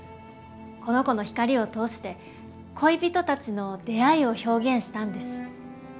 この子の光を通して恋人たちの出会いを表現したんです。